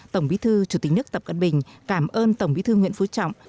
tổng bí thư chủ tịch nước tập cận bình cảm ơn tổng bí thư nguyễn phú trọng